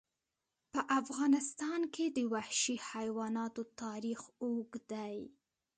په افغانستان کې د وحشي حیواناتو تاریخ اوږد دی.